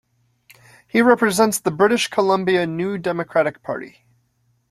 He represents the British Columbia New Democratic Party.